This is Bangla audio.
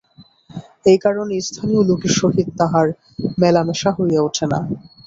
এই কারণে স্থানীয় লোকের সহিত তাঁহার মেলামেশা হইয়া উঠে না।